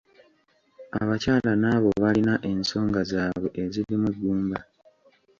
Abakyala n’abo balina ensonga zaabwe ezirimu eggumba.